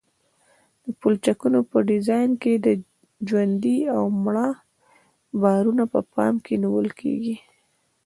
د پلچکونو په ډیزاین کې ژوندي او مړه بارونه په پام کې نیول کیږي